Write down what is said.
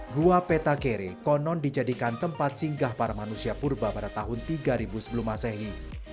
gua petakere konon dijadikan tempat singgah para manusia purba pada tahun tiga sebelum masehi